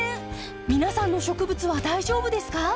皆さんの植物は大丈夫ですか？